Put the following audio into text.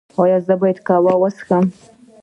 ایا زه باید قهوه وڅښم؟